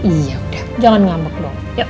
iya udah jangan ngambek dong